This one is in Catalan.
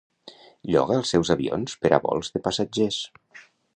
Lloga els seus avions per a vols de passatgers.